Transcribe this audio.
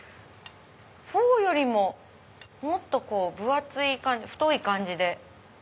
フォーよりももっと分厚い感じ太い感じで。